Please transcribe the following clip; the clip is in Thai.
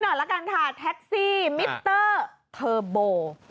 ละกันค่ะแท็กซี่มิเตอร์เทอร์โบ